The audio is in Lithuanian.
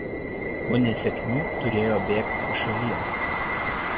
Po nesėkmių turėjo bėgti iš šalies.